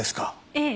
ええ。